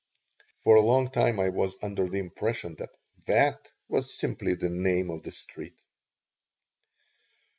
For a long time I was under the impression that "That" was simply the name of the street.